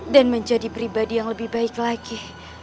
dan menjadi pribadi yang lebih baik lagi